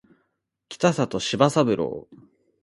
北里柴三郎